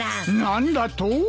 何だと？